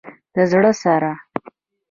د زړه سره